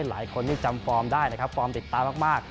หลายคนที่จำฟอร์มได้นะครับฟอร์มติดตามาก